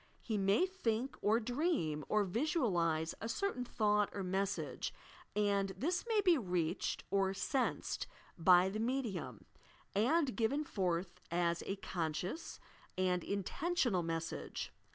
He may think or dream or visualize a certain thought or message, and this may be reached or "sensed" by the medium, and given forth as a conscious and intentional message.